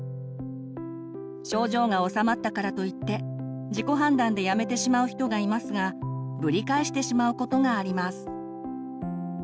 症状がおさまったからといって自己判断でやめてしまう人がいますがぶり返してしまうことがあります。